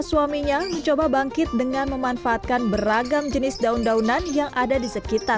suaminya mencoba bangkit dengan memanfaatkan beragam jenis daun daunan yang ada di sekitar